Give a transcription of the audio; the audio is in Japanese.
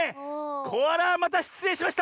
コアラまたしつれいしました！